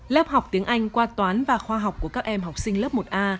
lớp học tiếng anh qua toán và khoa học của các em học sinh lớp một a